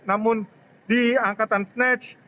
namun di angkatan snatch